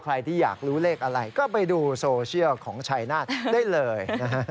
ใครที่อยากรู้เลขอะไรก็ไปดูโซเชียลของชัยนาธได้เลยนะฮะ